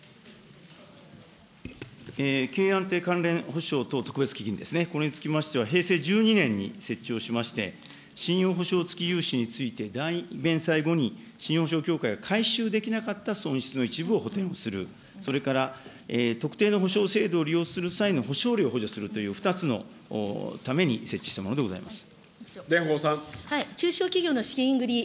経営安定関連ほしょう等特別基金ですね、これにつきましては、平成１２年に設置をしまして、信用保証付き融資について代位弁済後に信用保証協会が回収できなかった損失の一部を補填する、それから特定のほしょう制度を利用する際の保証料を補助するという２つのために設置したものでございます。